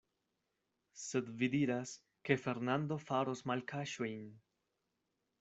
Sed vi diras, ke Fernando faros malkaŝojn.